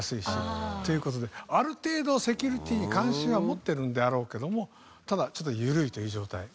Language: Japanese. ある程度セキュリティーに関心は持ってるんであろうけどもただちょっと緩いという状態。